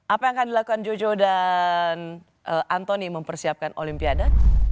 apa yang akan dilakukan jojo dan antoni mempersiapkan olimpiade